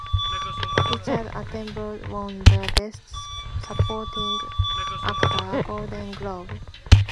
Richard Attenborough won the best supporting actor Golden Globe.